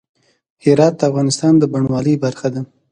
هرات د افغانستان د بڼوالۍ برخه ده.